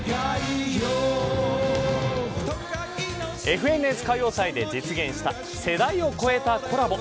ＦＮＳ歌謡祭で実現した世代を超えたコラボ。